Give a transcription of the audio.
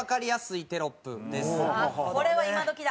これは今どきだ！